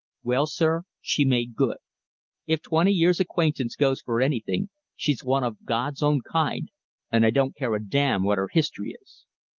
Well, sir, she made good. If twenty years acquaintance goes for anything, she's one of God's own kind, and I don't care a damn what her history is.